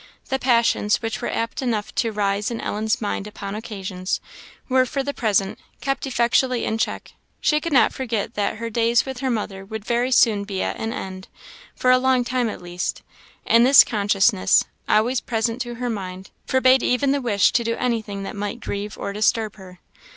The passions, which were apt enough to rise in Ellen's mind upon occasions, were, for the present, kept effectually in check. She could not forget that her days with her mother would very soon be at an end, for a long time at least; and this consciousness, always present to her mind, forbade even the wish to do anything that might grieve or disturb her.